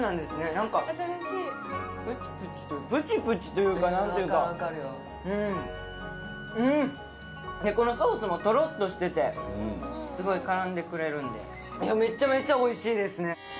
何かプチプチというか何というかうんこのソースもトロッとしててすごい絡んでくれるんでめっちゃめちゃおいしいですね